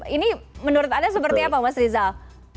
ini menurut anda seperti apa mas rizal